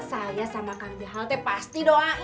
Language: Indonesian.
saya sama kang jahal teh pasti doain